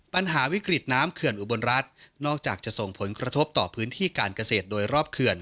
ปัญหาวิกฤตน้ำเขื่อนอุบลรัฐนอกจากจะส่งผลกระทบต่อพื้นที่การเกษตรโดยรอบเขื่อน